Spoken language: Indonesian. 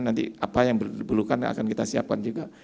nanti apa yang diperlukan akan kita siapkan juga